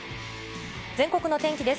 全国の天気です。